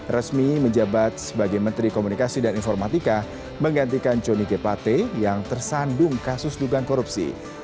resmi menjabat sebagai menteri komunikasi dan informatika menggantikan johnny g plate yang tersandung kasus dugaan korupsi